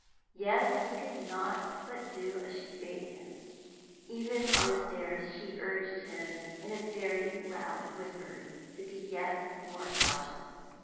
Yet he could not but do as she bade him. Even on the stairs she urged him in a very loud whisper to be yet more cautious.